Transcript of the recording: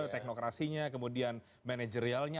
teknokrasinya kemudian manajerialnya